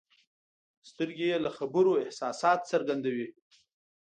سترګې بې له خبرو احساسات څرګندوي.